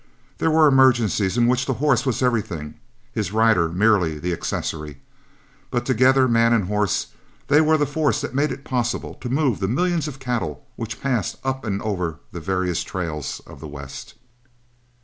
There were emergencies in which the horse was everything, his rider merely the accessory. But together, man and horse, they were the force that made it possible to move the millions of cattle which passed up and over the various trails of the West.